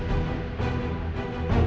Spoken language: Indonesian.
august ini jangan